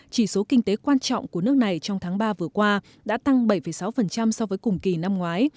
chỉ số kinh tế quan trọng của nước này trong tháng ba vừa qua đã tăng bảy sáu so với cùng kỳ năm ngoái